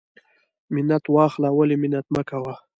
ـ منت واخله ولی منت مکوه.